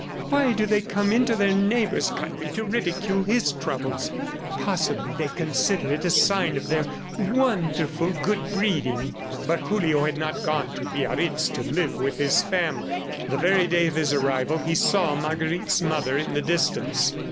"Why do they come into their neighbor's country to ridicule his troubles? ... Possibly they consider it a sign of their wonderful good breeding!" But Julio had not gone to Biarritz to live with his family. ... The very day of his arrival, he saw Marguerite's mother in the distance.